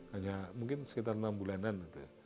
hanya mungkin sekitar enam bulanan